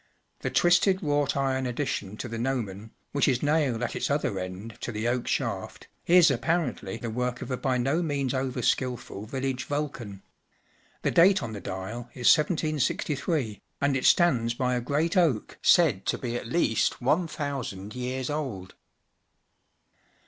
The twisted wrought iron addition to the gnomon, which is nailed at its other end to the oak shaft, is apparently the work of a by no means over skilful village Vulcan, The date on the dial is 1763, and it stands by a great oak said to be at least one thousand years old.